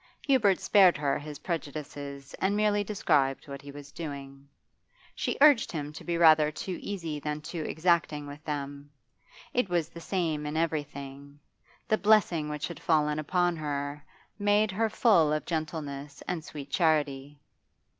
Hubert spared her his prejudices and merely described what he was doing. She urged him to be rather too easy than too exacting with them. It was the same in everything; the blessing which had fallen upon her made her full of gentleness and sweet charity.